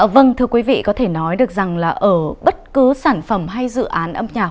vâng thưa quý vị có thể nói được rằng là ở bất cứ sản phẩm hay dự án âm nhạc